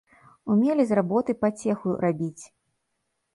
Умелі з работы пацеху рабіць.